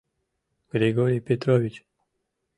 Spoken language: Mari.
— Григорий Петрович!